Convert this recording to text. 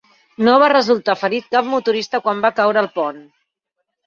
No va resultar ferit cap motorista quan va caure el pont.